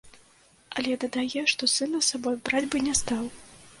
Але дадае, што сына з сабой браць бы не стаў.